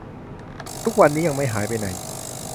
ทุกวันนี้ยังไม่หายไปไหน